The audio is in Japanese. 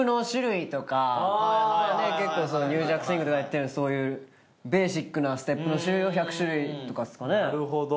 結構ニュージャックスウィングとかやってるんでそういうベーシックなステップの種類を１００種類とかっすかね。なるほど。